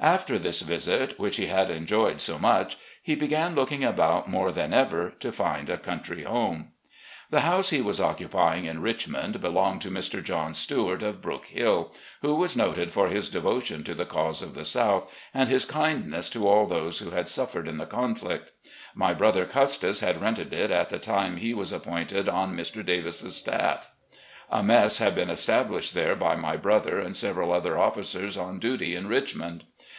After this visit, which he had enjoyed so much, he began looking about more than ever to find a country home. The house he was occupying in Richmond belonged to Mr. John Stewart, of " Brook Hill," who was noted for his devotion to the cause of the South and his kindness to all those who had suffered in the conflict. My brother Custis had rented it at the time he was appointed on Mr. Davis's staff. A mess had been established there by my brother and several other officers on duty in Richmond.